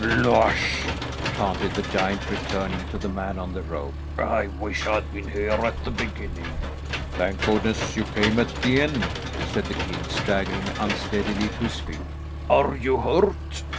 "Losh," panted the giant, returning to the man on the road, "I wish I'd been here at the beginning." "Thank goodness you came at the end," said the king, staggering unsteadily to his feet. "Are you hurt?"